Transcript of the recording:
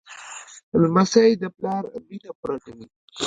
لمسی د پلار مینه پوره کوي.